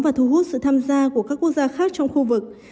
và thu hút sự tham gia của các quốc gia khác trong khu vực